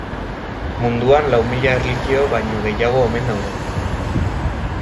Munduan lau mila erlijio baino gehiago omen daude.